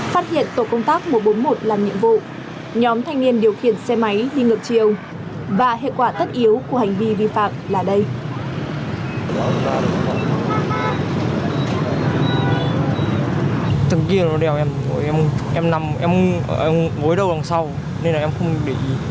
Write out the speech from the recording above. phát hiện tổ công tác một trăm bốn mươi một làm nhiệm vụ nhóm thanh niên điều khiển xe máy đi ngược chiều